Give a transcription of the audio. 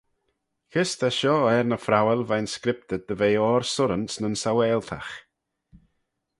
Kys ta shoh er ny phrowal veih'n scriptyr dy ve oyr surranse nyn saualtagh?